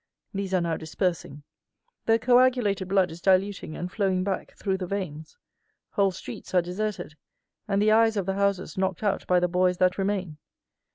These are now dispersing. The coagulated blood is diluting and flowing back through the veins. Whole streets are deserted, and the eyes of the houses knocked out by the boys that remain.